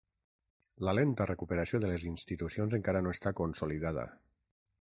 La lenta recuperació de les institucions encara no està consolidada.